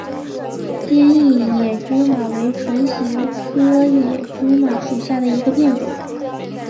坚硬野芝麻为唇形科野芝麻属下的一个变种。